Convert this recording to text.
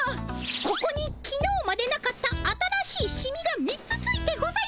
ここにきのうまでなかった新しいシミが３つついてございます。